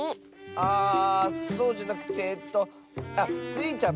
あそうじゃなくてえっとあっスイちゃん